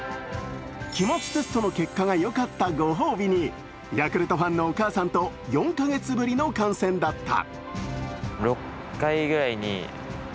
期末テストの結果がよかったご褒美に、ヤクルトファンのお母さんと４か月ぶりの観戦だった。